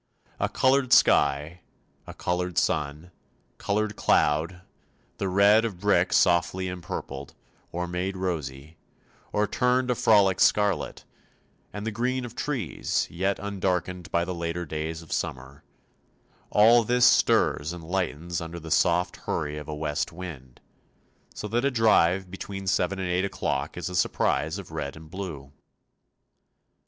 A coloured sky, a coloured sun, coloured cloud, the red of brick softly empurpled, or made rosy, or turned a frolic scarlet, and the green of trees, yet undarkened by the later days of summer all this stirs and lightens under the soft hurry of a west wind, so that a drive between seven and eight o'clock is a surprise of red and blue.